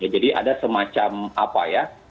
jadi ada semacam apa ya